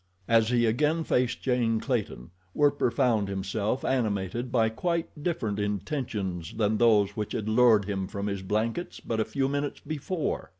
As he again faced Jane Clayton, Werper found himself animated by quite different intentions than those which had lured him from his blankets but a few minutes before.